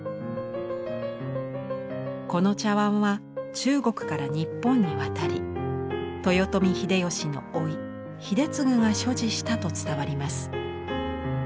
この茶わんは中国から日本に渡り豊臣秀吉のおい秀次が所持したと伝わります。